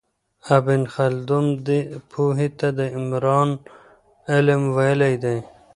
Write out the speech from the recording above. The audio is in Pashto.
ابن خلدون دې پوهې ته د عمران علم ویلی دی.